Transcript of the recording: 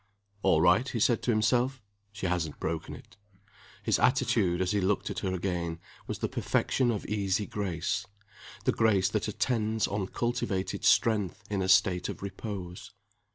"All right," he said to himself. "She hasn't broken it." His attitude as he looked at her again, was the perfection of easy grace the grace that attends on cultivated strength in a state of repose.